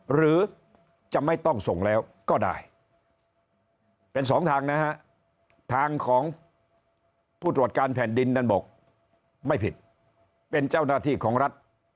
หรือจะไม่ต้องส่งแล้วก็ได้เป็นสองทางนะฮะทางของผู้ตรวจการแผ่นดินนั้นบอกไม่ผิดเป็นเจ้าหน้าที่ของรัฐ